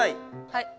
はい。